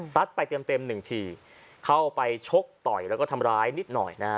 ไปเต็มเต็มหนึ่งทีเข้าไปชกต่อยแล้วก็ทำร้ายนิดหน่อยนะฮะ